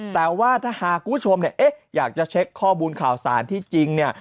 แต่ว่าถ้าหากคุณผู้ชมเนี่ยเอ๊ะอยากจะเช็คข้อมูลข่าวสารที่จริงเนี่ย